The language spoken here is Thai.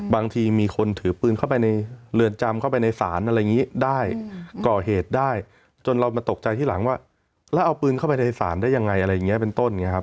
บางทีมีคนถือปืนเข้าไปในเรือนจำเข้าไปในศาลอะไรอย่างนี้ได้ก่อเหตุได้จนเรามาตกใจที่หลังว่าแล้วเอาปืนเข้าไปในศาลได้ยังไงอะไรอย่างนี้เป็นต้นไงครับ